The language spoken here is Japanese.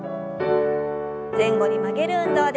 前後に曲げる運動です。